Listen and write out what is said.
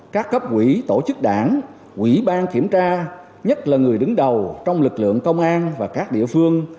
các cấp quỹ tổ chức đảng quỹ ban kiểm tra nhất là người đứng đầu trong lực lượng công an và các địa phương